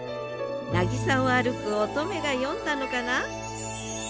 なぎさを歩く乙女が詠んだのかな？